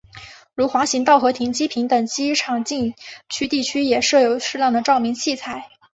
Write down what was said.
如滑行道和停机坪等机场禁区地区也设有适当的照明器材。